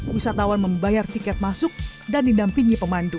wisatawan membayar tiket masuk dan didampingi pemandu